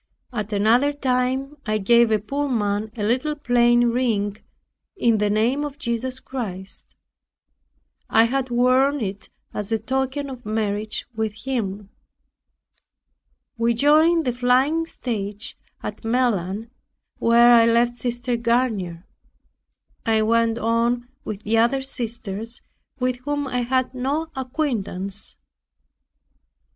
At another time I gave a poor man a little plain ring, in the name of Jesus Christ. I had worn it as a token of marriage with Him. We joined the flying stage at Melun where I left Sister Garnier. I went on with the other sisters with whom I had no acquaintance.